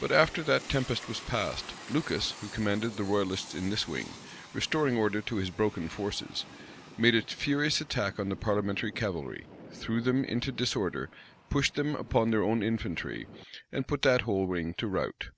But after that tempest was past, Lucas, who commanded the royalists in this wing, restoring order to his broken forces, made a furious attack on the parliamentary cavalry, threw them into disorder, pushed them upon their own infantry, and put that whole wing to rout.